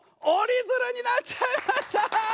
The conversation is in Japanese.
折り鶴になっちゃいました！